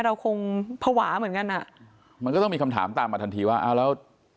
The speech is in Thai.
เราคงภาวะเหมือนกันอ่ะมันก็ต้องมีคำถามตามมาทันทีว่าอ้าวแล้ว